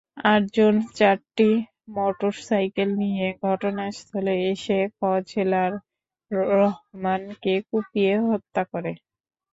আটজন চারটি মোটরসাইকেল নিয়ে ঘটনাস্থলে এসে ফজলার রহমানকে কুপিয়ে হত্যা করে।